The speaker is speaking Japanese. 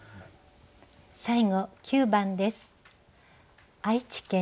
最後９番です。